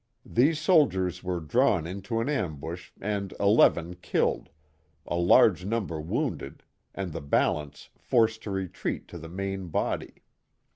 These soldiers were drawn into an ambush and eleven killed, a large number wounded, and the balance forced to retreat to the main body.